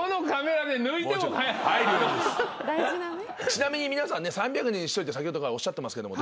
ちなみに３００人に１人って先ほどからおっしゃってますけど。